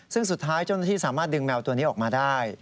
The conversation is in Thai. ซึ่งสุดท้ายเจ้าหน้าที่สามารถดึงแมวตัวนี้ออกมาได้